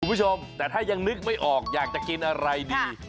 คุณผู้ชมแต่ถ้ายังนึกไม่ออกอยากจะกินอะไรดี